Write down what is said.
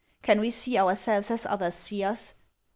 Can we see ourselves as others see us?